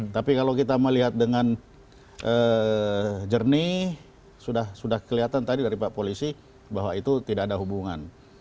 tapi kalau kita melihat dengan jernih sudah kelihatan tadi dari pak polisi bahwa itu tidak ada hubungan